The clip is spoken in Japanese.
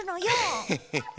ヘヘヘ。